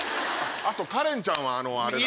あとカレンちゃんはあれだ。